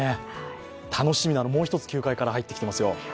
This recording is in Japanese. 楽しみなのがもう一つ球界から入ってきていますよ。